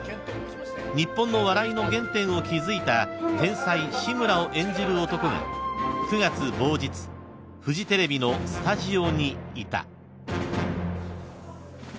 ［日本の笑いの原点を築いた天才志村を演じる男が９月某日フジテレビのスタジオにいた］